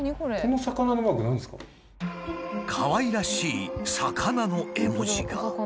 かわいらしい魚の絵文字が。